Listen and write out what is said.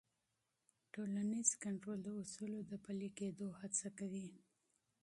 ټولنیز کنټرول د اصولو د پلي کېدو هڅه کوي.